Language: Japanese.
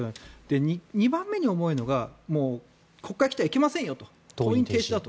２番目に重いのが国会に来てはいけませんよと登院停止だと。